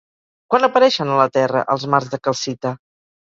Quan apareixen a la Terra els mars de calcita?